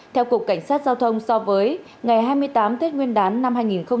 theo cục cảnh sát giao thông so với ngày hai mươi tám tết nguyên đán năm hai nghìn hai mươi